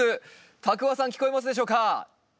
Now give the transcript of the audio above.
多久和さん聞こえますでしょうか？